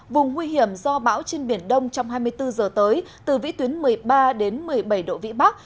vùng nguy hiểm do bão trên biển đông trong hai mươi bốn giờ tới từ vĩ tuyến một mươi ba đến một mươi bảy độ vĩ bắc